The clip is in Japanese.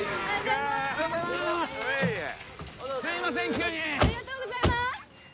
急にありがとうございます